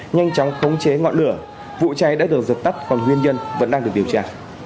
nhanh chóng khống chế ngọn lửa vụ cháy đã được dập tắt còn nguyên nhân vẫn đang được điều tra